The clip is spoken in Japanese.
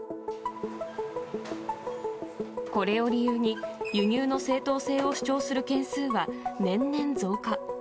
これを理由に、輸入の正当性を主張する件数は年々増加。